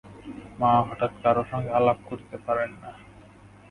মা হঠাৎ কারো সঙ্গে আলাপ করিতে পারেন না।